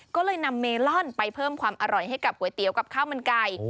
ก็เลยนำเมลอนไปเพิ่มความอร่อยให้กับก๋วยเตี๋ยวกับข้าวมันไก่